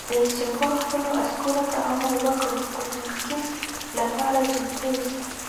رئیس جمهور خپلو عسکرو ته امر وکړ؛ د تفتیش لپاره چمتو اوسئ!